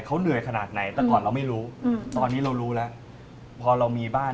เขาเหนื่อยขนาดไหนแต่ก่อนเราไม่รู้ตอนนี้เรารู้แล้วพอเรามีบ้าน